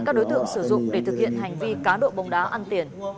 các đối tượng sử dụng để thực hiện hành vi cá độ bóng đá ăn tiền